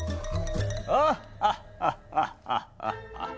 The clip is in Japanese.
・アハッハッハッハッハッハッ！